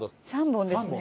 ３本ですね。